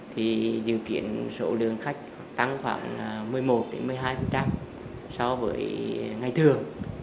thì dự kiến số lượng khách tăng khoảng một mươi một một mươi hai so với ngày thường